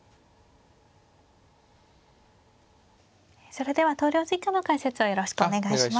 それでは投了図以下の解説をよろしくお願いします。